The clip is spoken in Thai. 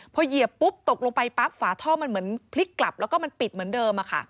พอเหยียบปุ๊บตกลงไปปั๊บฝาท่อมันเหมือนพลิกกลับแล้วก็มันปิดเหมือนเดิม